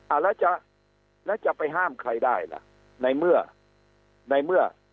แล้วจะแล้วจะไปห้ามใครได้ล่ะในเมื่อในเมื่อ